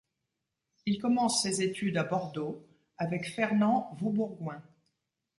Il commence ses études à Bordeaux avec Fernand Vaubourgoin.